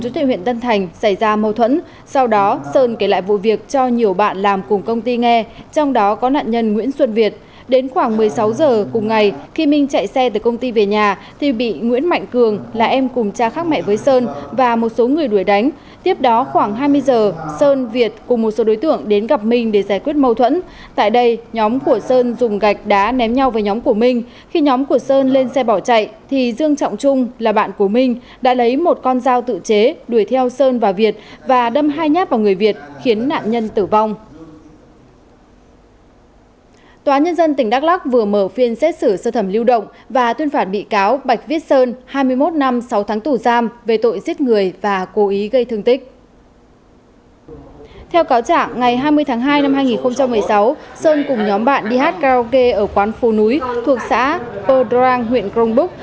theo cáo trả ngày hai mươi tháng hai năm hai nghìn một mươi sáu sơn cùng nhóm bạn đi hát karaoke ở quán phù núi thuộc xã pô đoan huyện crong búc